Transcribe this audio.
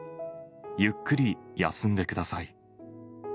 ゆっくり休んでください。